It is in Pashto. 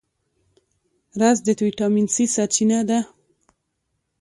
رس د ویټامین C سرچینه ده